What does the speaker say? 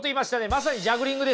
まさにジャグリングですか？